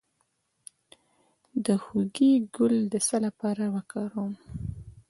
د هوږې ګل د څه لپاره وکاروم؟